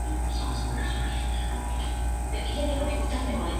Es el quinto y último sencillo de su álbum debut "Showbiz".